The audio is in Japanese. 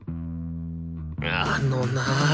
あのなぁ。